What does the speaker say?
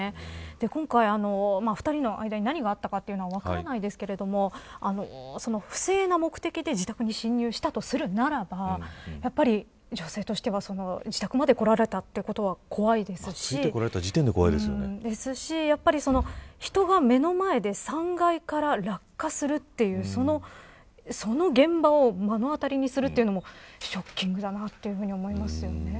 今回、２人の間に何があったかは分からないですけど不正な目的で自宅に侵入したとするならばやっぱり女性としては自宅まで来られたということは怖いですし人が目の前で３階から落下するその現場を目の当たりにするというのもショッキングだなと思いますよね。